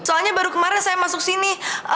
soalnya baru kemarin saya masuk sini